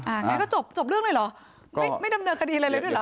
งั้นก็จบจบเรื่องเลยเหรอไม่ไม่ดำเนินคดีอะไรเลยด้วยเหรอ